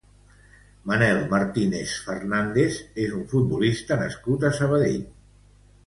Manel Martínez Fernández és un futbolista nascut a Sabadell.